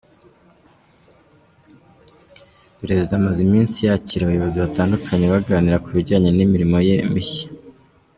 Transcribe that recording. Perezida amaze iminsi yakira abayobozi batandukanye baganira ku bijyanye n’imirimo ye mishya.